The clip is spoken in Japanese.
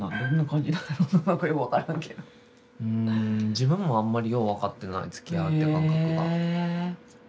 自分もあんまりよう分かってないつきあうって感覚が。